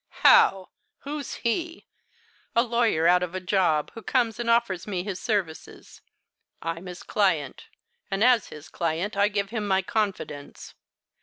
"How? Who's he? A lawyer out of a job, who comes and offers me his services. I'm his client. As his client I give him my confidence.